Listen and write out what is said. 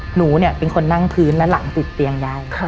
หนูเนี่ยเป็นคนนั่งพื้นและหลังติดเตียงยาย